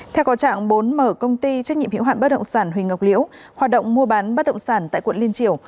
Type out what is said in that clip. theo có trạng bốn mở công ty trách nhiệm hiệu hạn bất động sản huỳnh ngọc liễu hoạt động mua bán bất động sản tại quận liên triều